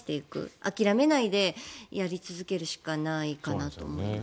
諦めないでやり続けるしかないかなと思います。